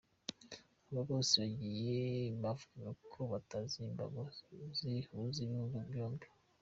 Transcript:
Aba bose bagiye bavugaga ko batazi imbago zihuza ibihugu byombi.